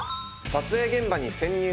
撮影現場に潜入！